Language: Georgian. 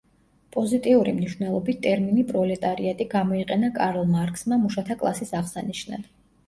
პოზიტიური მნიშვნელობით ტერმინი პროლეტარიატი გამოიყენა კარლ მარქსმა მუშათა კლასის აღსანიშნად.